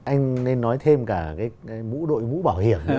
anh nên nói thêm cả cái mũ đội mũ bảo hiểm